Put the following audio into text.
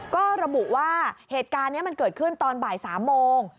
ก็ระบุว่าเหตุการณ์นี้มันเกิดขึ้นตอนบ่าย๓โมง